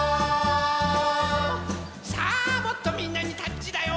さあもっとみんなにタッチだよ！